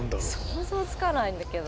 想像つかないんだけど。